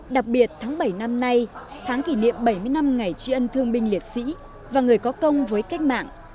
đặc biệt tháng bảy năm nay tháng kỷ niệm bảy mươi năm ngày tri ân thương binh liệt sĩ và người có công với cách mạng